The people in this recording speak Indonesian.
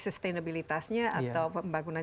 sustainabilitasnya atau pembangunan